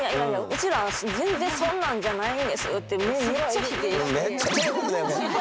うちら全然そんなんじゃないんです」ってめっちゃ否定して。